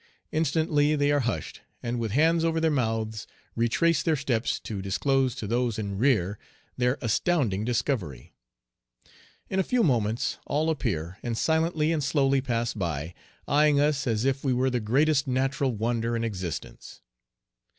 Instantly they are hushed, and with hands over their mouths retrace their steps to disclose to those in rear their astounding discovery. In a few moments all appear, and silently and slowly pass by, eyeing us as if we were the greatest natural wonder in existence.